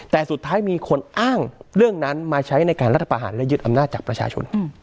แต่สุดท้ายมีคนอ้างเรื่องนั้นมาใช้ในการรัฐประหารและยึดอำนาจจากประชาชน